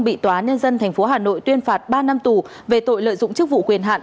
bị tòa nhân dân tp hà nội tuyên phạt ba năm tù về tội lợi dụng chức vụ quyền hạn